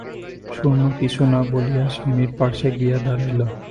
সুরমা কিছু না বলিয়া স্বামীর পার্শ্বে গিয়া দাঁড়াইল।